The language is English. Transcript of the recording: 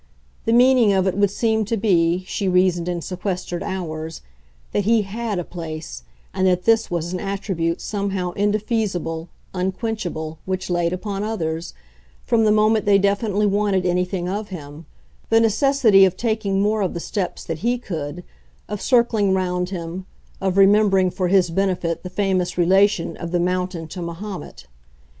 The meaning of it would seem to be, she reasoned in sequestered hours, that he HAD a place, and that this was an attribute somehow indefeasible, unquenchable, which laid upon others from the moment they definitely wanted anything of him the necessity of taking more of the steps that he could, of circling round him, of remembering for his benefit the famous relation of the mountain to Mahomet.